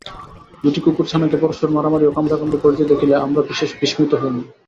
দুইটি কুকুরছানাকে পরস্পর মারামারি ও কামড়াকামড়ি করিতে দেখিলে আমরা বিশেষ বিস্মিত হই না।